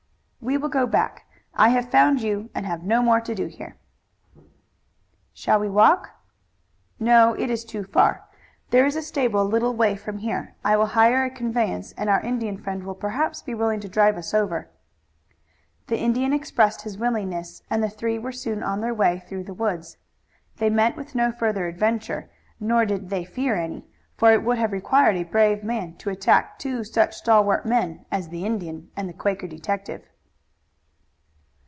"We will go back. I have found you and have no more to do here." "Shall we walk?" "No, it is too far. There is a stable a little way from here; I will hire a conveyance and our Indian friend will perhaps be willing to drive us over." The Indian expressed his willingness, and the three were soon on their way through the woods. They met with no adventure, nor did they fear any, for it would have required a brave man to attack two such stalwart men as the Indian and the Quaker detective.